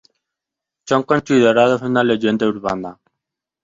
Son considerados una leyenda urbana.